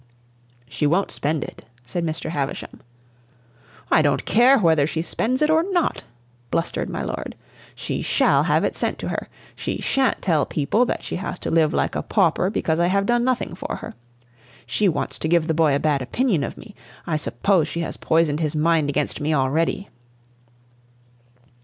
"She won't spend it," said Mr. Havisham. "I don't care whether she spends it or not!" blustered my lord. "She shall have it sent to her. She sha'n't tell people that she has to live like a pauper because I have done nothing for her! She wants to give the boy a bad opinion of me! I suppose she has poisoned his mind against me already!"